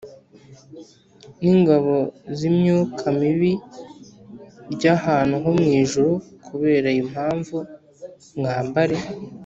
n ingabo z imyuka mibir y ahantu ho mu ijuru Kubera iyo mpamvu mwambare